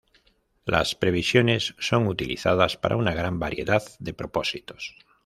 Las previsiones son utilizadas para una gran variedad de propósitos.